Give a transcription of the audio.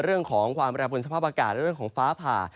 เรื่องของความระบุสภาพอากาศฟ้าผ่า